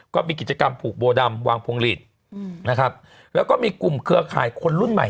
ก็มีกิจกรรมผูกโบดำวางพงฤตแล้วก็มีกลุ่มเคืออาคารคนรุ่นใหม่